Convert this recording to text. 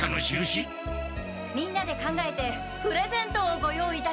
みんなで考えてプレゼントをご用意いたしました。